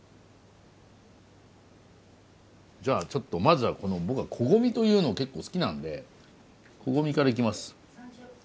じゃあちょっとまずは僕はこごみというの結構好きなんでこごみからいきます。